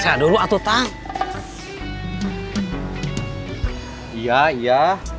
saya dulu atau tangga iya iya